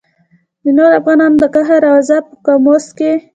د نورو افغانانو د قهر او غضب په قاموس کې.